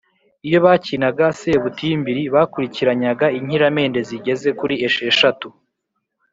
iyo bakinaga sebutimbiri bakurikiranyaga inkiramende zigeze kuri esheshatu